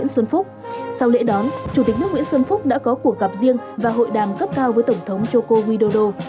sau lễ đón chủ tịch nước nguyễn xuân phúc đã có cuộc gặp riêng và hội đàm cấp cao với tổng thống joko widodo